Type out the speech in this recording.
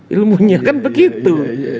ilmunya kan begitu